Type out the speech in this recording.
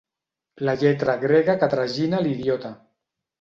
La lletra grega que tragina l'idiota.